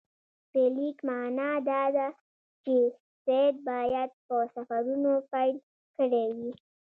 د لیک معنی دا ده چې سید باید په سفرونو پیل کړی وي.